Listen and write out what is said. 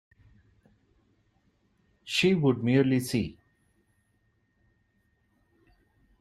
She would merely see.